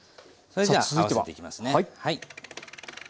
それじゃ合わせていきますね。